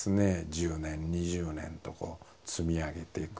１０年２０年と積み上げていく歩みの中で。